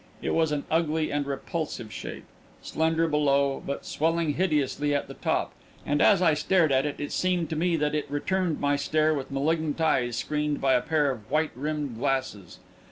It was an ugly and repulsive shape, slender below, but swelling hideously at the top, and as I stared at it, it seemed to me that it returned my stare with malignant eyes screened by a pair of white rimmed glasses.